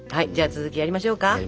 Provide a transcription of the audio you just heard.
じゃあ続きやりましょうか。